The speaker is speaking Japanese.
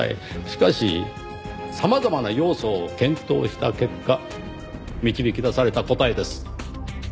しかし様々な要素を検討した結果導き出された答えです。